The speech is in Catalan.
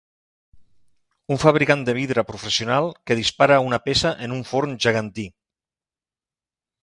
Un fabricant de vidre professional que dispara una peça en un forn gegantí